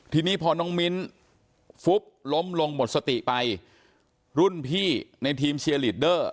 ทีนี้พอน้องมิ้นฟุบล้มลงหมดสติไปรุ่นพี่ในทีมเชียร์ลีดเดอร์